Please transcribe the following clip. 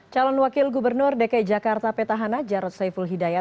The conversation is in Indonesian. calon wakil gubernur dki jakarta petahana jarod saiful hidayat